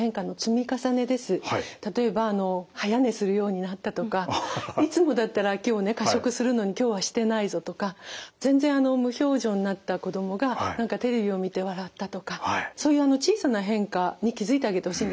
例えば早寝するようになったとかいつもだったら今日過食するのに今日はしてないぞとか全然無表情になった子供が何かテレビを見て笑ったとかそういう小さな変化に気付いてあげてほしいんですね。